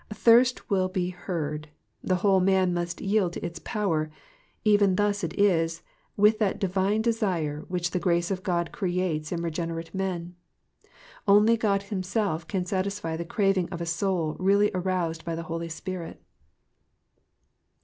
Thirst will be heard ; the whole man must yield to its power ; even thus is it with that divine desire which the grace of God creates in regenerate men ; cnly God himself can satisfy the craving of a soul really aroused by the Holy Spirit.